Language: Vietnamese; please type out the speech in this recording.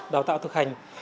đào tạo thực hành